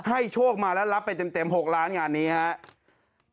โชคมาแล้วรับไปเต็ม๖ล้านงานนี้ครับ